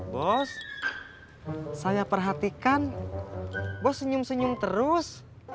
bos saya perhatikan bos senyum senyum terus